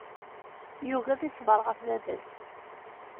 Yugi ad iṣber ɣef baba-s.